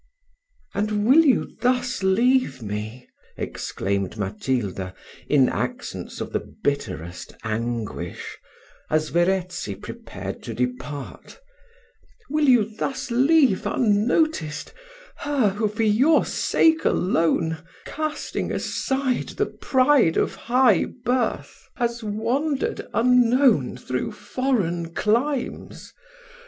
"And will you thus leave me?" exclaimed Matilda, in accents of the bitterest anguish, as Verezzi prepared to depart "will you thus leave unnoticed, her who, for your sake alone, casting aside the pride of high birth, has wandered, unknown, through foreign climes?